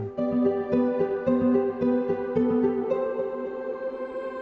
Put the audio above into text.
ที่จำเป็นพระบาทสมมตี